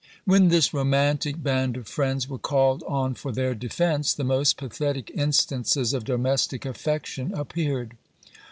When this romantic band of friends were called on for their defence, the most pathetic instances of domestic affection appeared.